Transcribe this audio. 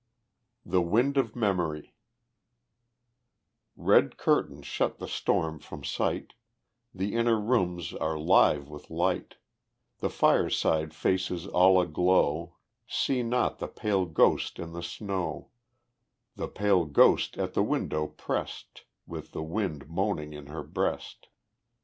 The Wind of Memory Red curtains shut the storm from sight, The inner rooms are live with light; The fireside faces all aglow See not the pale ghost in the snow, The pale ghost at the window pressed, With the wind moaning in her breast.